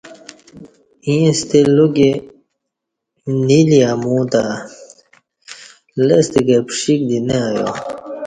ییں ستہ لوکی نِیلی امو تہ لستہ کہ پݜیک دی نہ ایا